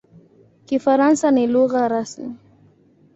Kifaransa ni lugha rasmi.